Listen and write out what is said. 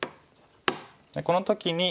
この時に。